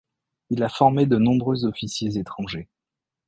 Il a formé de nombreux officiers étrangers.